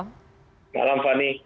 selamat malam fani